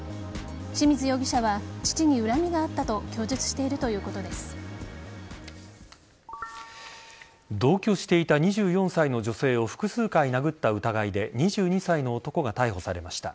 志水容疑者は父に恨みがあったと同居していた２４歳の女性を複数回殴った疑いで２２歳の男が逮捕されました。